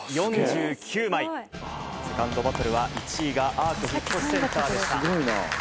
セカンドバトルは１位がアーク引越センターでした。